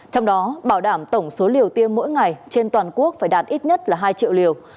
trong đó bảo đảm tổng số liều tiêm mỗi ngày trên toàn quốc phải đạt ít nhất là hai triệu liều